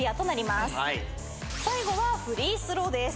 最後はフリースローです。